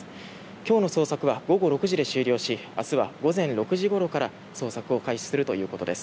今日の捜索は午後６時で終了し明日は午前６時ごろから捜索を開始するということです。